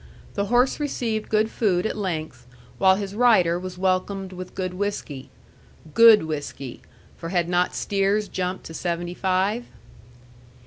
The horse received good food at length, while his rider was welcomed with good whiskey. GOOD whiskey for had not steers jumped to seventy five?